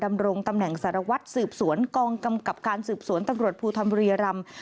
ดำรงตำแหน่งสารวัตรสืบสวนกองกำกับการสืบสวนตำรวจภูทรบุรียรำ